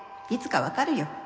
いつか分かるよ。